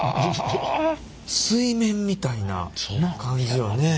水面みたいな感じよね。